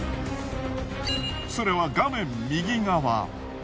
それは画面右側。